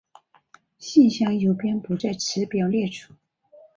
信箱邮编不在此表列出。